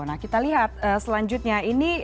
nah kita lihat selanjutnya ini